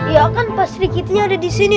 ya kan mas trigidinya ada disini